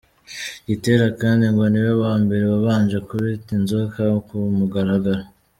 Gitera kandi ngo niwe wa mbere wabanje kubita ‘inzoka’ ku mugaragaro.